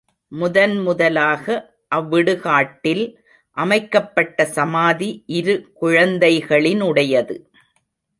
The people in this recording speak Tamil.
முதன் முதலாக அவ்விடுகாட்டில் அமைக்கப்பட்ட சமாதி இரு குழந்தைகளினுடையது.